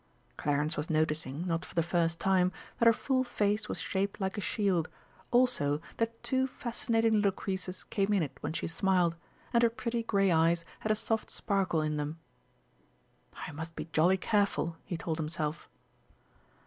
Clarence was noticing, not for the first time, that her full face was shaped like a shield, also that two fascinating little creases came in it when she smiled, and her pretty grey eyes had a soft sparkle in them. "I must be jolly careful," he told himself.